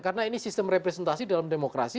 karena ini sistem representasi dalam demokrasi